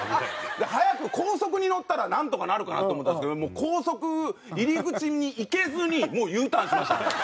早く高速に乗ったらなんとかなるかなと思ったんですけどもう高速入り口に行けずにもうＵターンしましたから。